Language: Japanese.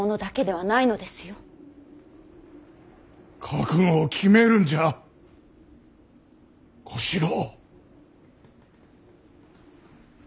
覚悟を決めるんじゃ小四郎。